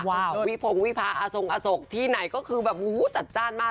วิพงวิภาอทรงอโศกที่ไหนก็คือแบบจัดจ้านมาก